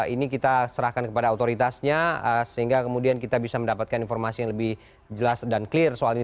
ini kita serahkan kepada otoritasnya sehingga kemudian kita bisa mendapatkan informasi yang lebih jelas dan clear soal ini